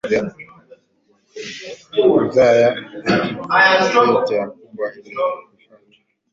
kuzaa ya ant anteater kubwa ina vifaa vya